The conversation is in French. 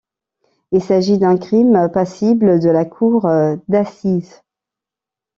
Il s'agit d'un crime passible de la cour d'assises.